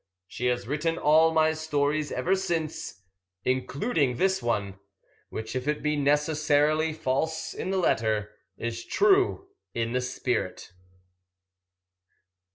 She has written all my stories ever since, including this one; which, if it be necessarily false in the letter, is true in the spirit.